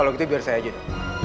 kalau gitu biar saya aja deh